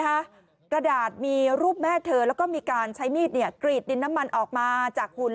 กระดาษมีรูปแม่เธอแล้วก็มีการใช้มีดเนี่ยกรีดดินน้ำมันออกมาจากหุ่น